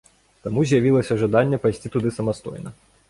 Таму з'явілася жаданне пайсці туды самастойна.